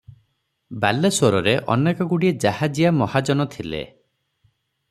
ବାଲେଶ୍ୱରରେ ଅନେକଗୁଡିଏ ଜାହାଜିଆ ମହାଜନ ଥିଲେ ।